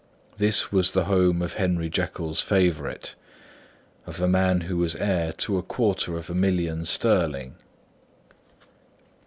This was the home of Henry Jekyll's favourite; of a man who was heir to a quarter of a million sterling.